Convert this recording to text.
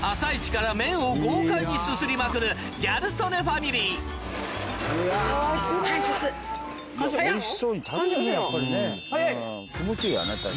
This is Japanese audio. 朝イチから麺を豪快にすすりまくるギャル曽根ファミリー早っ！